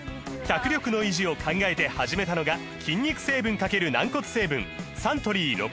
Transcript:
脚力の維持を考えて始めたのが筋肉成分×軟骨成分サントリー「ロコモア」です